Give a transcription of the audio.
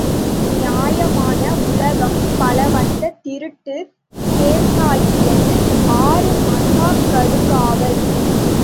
நியாயமான உலகம் பலவந்தத் திருட்டு கேஸாகியது, ஆறு மாசக் கடுங்காவல்.